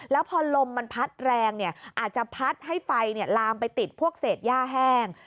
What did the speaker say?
แล้วพอลมมันพัดแรงอาจจะพัดให้ไฟลามไปติดพวกเศษย่าแห้ง